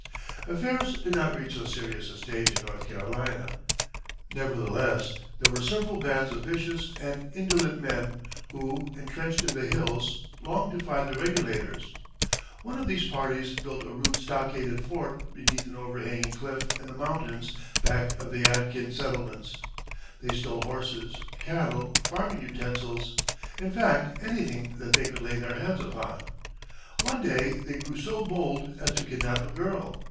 Affairs did not reach so serious a stage in North Carolina. Nevertheless there were several bands of vicious and indolent men, who, entrenched in the hills, long defied the regulators. One of these parties built a rude stockaded fort beneath an overhanging cliff in the mountains back of the Yadkin settlements. They stole horses, cattle, farming utensils; in fact, anything that they could lay their hands upon. One day they grew so bold as to kidnap a girl.